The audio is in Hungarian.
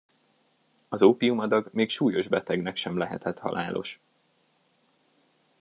Az ópiumadag még súlyos betegnek sem lehetett halálos.